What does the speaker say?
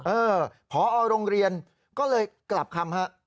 เออพอโรงเรียนก็เลยกลับคำฮะ